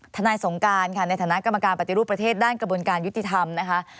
สงการค่ะในฐานะกรรมการปฏิรูปประเทศด้านกระบวนการยุติธรรมนะคะ